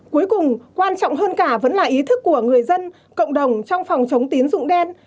cuối cùng quan trọng hơn cả vẫn là ý thức của người dân cộng đồng trong phòng chống tín dụng đen